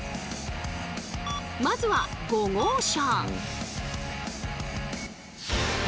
まずは５号車。